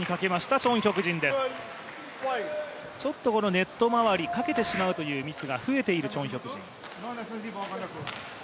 ネット回りかけてしまうというミスが増えているチョン・ヒョクジン。